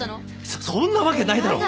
そそんなわけないだろ。